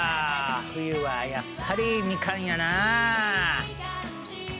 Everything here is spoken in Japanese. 冬はやっぱりみかんやなあ！